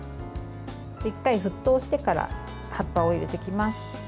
１回沸騰してから葉っぱを入れていきます。